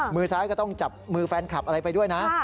มือซ้ายก็ต้องจับมือแฟนคลับอะไรไปด้วยนะ